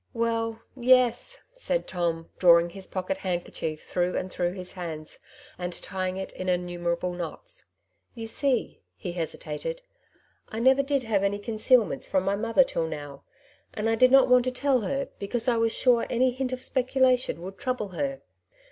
^'" Well, yes,'' said Tom, drawing his pocket hand kerchief through and through his hands, and tying it in innumerable knots. "You see,'' he hesitated, '^ I never did have any concealments from my mother till now, and I did not want to tell her because I was sure any hint of speculation would trouble her.